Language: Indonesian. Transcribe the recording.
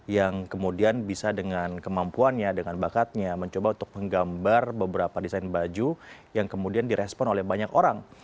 yang kemudian bisa dengan kemampuannya dengan bakatnya mencoba untuk menggambar beberapa desain baju yang kemudian direspon oleh banyak orang